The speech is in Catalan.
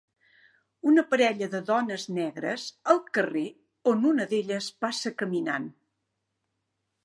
Una parella de dones negres al carrer on una d'elles passa caminant.